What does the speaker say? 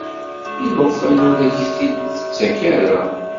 I lufan ur ak-t-id-tettakk ara.